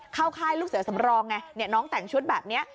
ค่ายลูกเสือสำรองไงน้องแต่งชุดแบบนี้